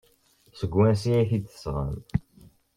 Seg wansi ay tt-id-tesɣam?